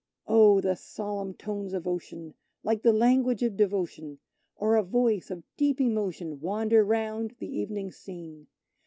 Oh! the solemn tones of Ocean, like the language of devotion, Or a voice of deep emotion, wander round the evening scene.